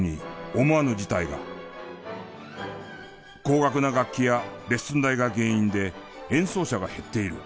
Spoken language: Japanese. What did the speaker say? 高額な楽器やレッスン代が原因で演奏者が減っている。